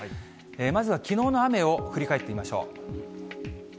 まずは、きのうの雨を振り返ってみましょう。